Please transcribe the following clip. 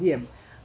không có bảo hiểm